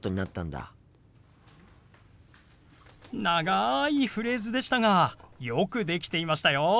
長いフレーズでしたがよくできていましたよ！